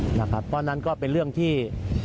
เพราะฉะนั้นก็เป็นเรื่องที่